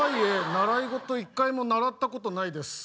習い事一回も習ったことないです。